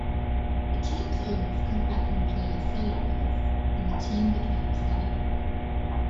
The team's owners cut back on players' salaries, and the team became semi-pro.